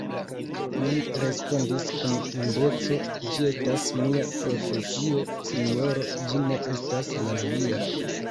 Li respondis kun indeco: Ĝi estas mia profesio, sinjoro: ĝi ne estas la via.